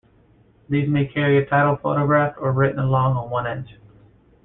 These may carry a title photographed or written along one edge.